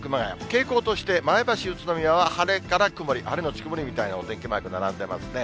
傾向として前橋、宇都宮は晴れから曇り、晴れ後曇りみたいなお天気マーク並んでますね。